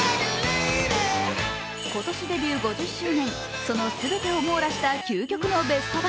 今年デビュー５０周年、そのすべてを網羅した究極のベスト盤。